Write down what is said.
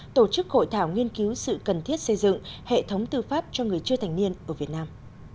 tổ chức hội thảo nghiên cứu sự cần thiết xây dựng hệ thống tư pháp cho người chưa thành niên ở việt nam